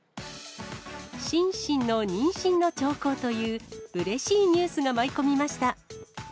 シンシンの妊娠の兆候という、うれしいニュースが舞い込みました。